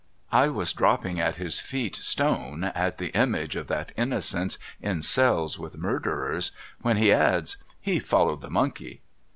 I was dropping at his feet Stone at the image of that Innocence in cells with murderers when he adds ' He followed the Monkey.'